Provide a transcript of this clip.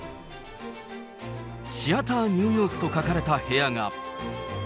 シアターニューヨークと書かれた部屋が。